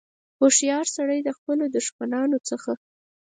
هوښیار سړي د خپلو دښمنانو څخه.